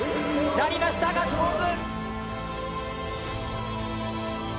やりました、ガッツポーズ！